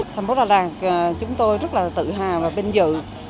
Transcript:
thành phố đà lạt chúng tôi rất là tự hào và vinh dự